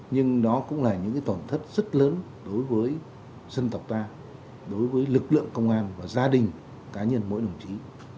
nhưng đó cũng là những tổn thất rất lớn đối với dân tộc ta đối với lực lượng công an và gia đình cá nhân mỗi đồng chí